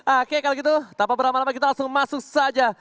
oke kalau gitu tanpa berlama lama kita langsung masuk saja